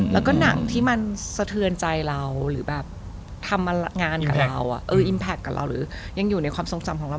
แล้วก็หนังที่มันสะเทือนใจเราหรือทำงานกับเราหรือยังอยู่ในความทรงจำของเรา